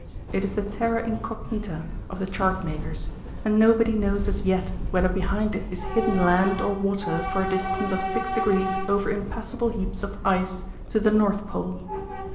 It is the terra incognita of the chart makers, and nobody knows as yet whether behind is hidden land or water for a distance of 6 degrees over impassable heaps of ice to the North Pole.